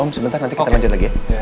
om sebentar nanti kita lanjut lagi ya